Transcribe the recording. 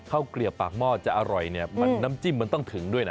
เกลียบปากหม้อจะอร่อยเนี่ยมันน้ำจิ้มมันต้องถึงด้วยนะ